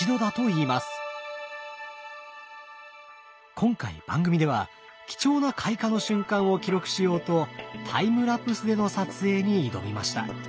今回番組では貴重な開花の瞬間を記録しようとタイムラプスでの撮影に挑みました。